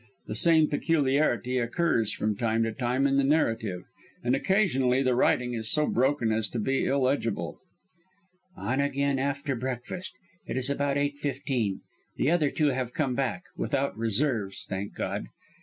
The same peculiarity occurs from time to time in the narrative, and occasionally the writing is so broken as to be illegible_.] "On again after breakfast. It is about eight fifteen. The other two have come back without 'reserves,' thank God.